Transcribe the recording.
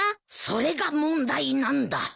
それが問題なんだ。